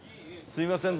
すいません。